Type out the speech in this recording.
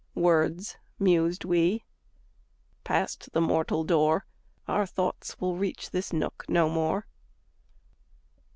... "Words!" mused we. "Passed the mortal door, Our thoughts will reach this nook no more."